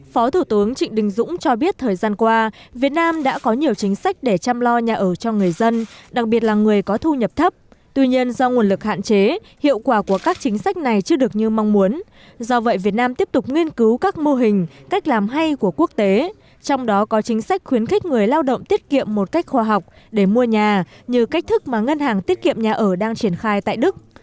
phó thủ tướng trịnh đình dũng cho biết thời gian qua việt nam đã có nhiều chính sách để chăm lo nhà ở cho người dân đặc biệt là người có thu nhập thấp tuy nhiên do nguồn lực hạn chế hiệu quả của các chính sách này chưa được như mong muốn do vậy việt nam tiếp tục nghiên cứu các mô hình cách làm hay của quốc tế trong đó có chính sách khuyến khích người lao động tiết kiệm một cách khoa học để mua nhà như cách thức mà ngân hàng tiết kiệm nhà ở đang triển khai tại đức